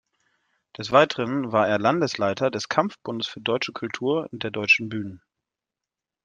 Des Weiteren war er Landesleiter des Kampfbundes für deutsche Kultur und der Deutschen Bühne.